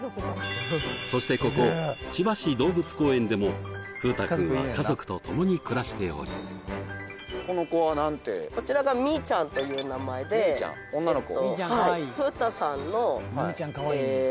そしてここ千葉市動物公園でも風太君は家族と共に暮らしておりこちらがみいちゃんという名前でみいちゃん女の子？